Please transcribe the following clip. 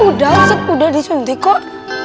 udah ustadz udah disuntik kok